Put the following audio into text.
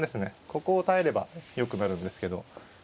ここを耐えればよくなるんですけど。